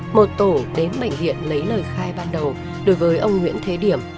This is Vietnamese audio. một tổ đến bệnh viện lấy lời khai ban đầu đối với ông nguyễn thế điểm